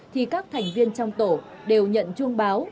thì các thành viên trong tổ đều nhận chuông báo